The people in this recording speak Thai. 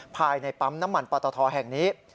ภายในปั๊มน้ำมันปตทแห่งนี้